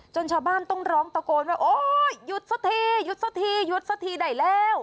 ชาวบ้านต้องร้องตะโกนว่าโอ๊ยหยุดสักทีหยุดสักทีหยุดสักทีได้แล้ว